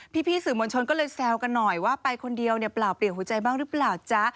พี่สื่อมวลชนก็เลยแซวกันหน่อยว่าไปคนเดียวเนี่ยเปล่าเปลี่ยนหัวใจบ้างหรือเปล่าจ๊ะ